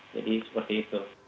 jadi seperti itu